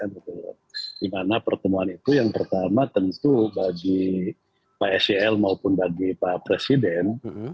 dimana pertemuan itu yang pertama tentu bagi pak sel maupun bagi pak presiden